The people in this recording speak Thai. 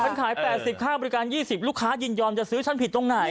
ค่ะมันขายแปดสิบค่าบริการยี่สิบลูกค้ายินยอมจะซื้อฉันผิดตรงไหน